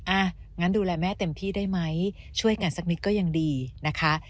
อ่ะงั้นดูแลแม่เต็มที่ได้ไหมช่วยกันสักนิดก็ยังดีนะคะ